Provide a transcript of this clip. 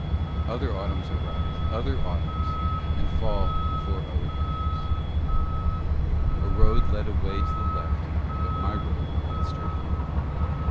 Other Autumns arise, other Autumns, and fall before other Winters. A road led away to the left, but my road went straight on.